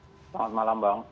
selamat malam bang